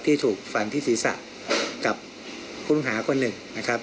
ที่ถูกฟันทิศีรษะกับคุณฮาคนหนึ่งนะครับ